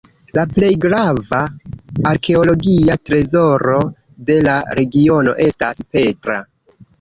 La plej grava arkeologia trezoro de la regiono estas Petra.